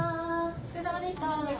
お疲れさまでした。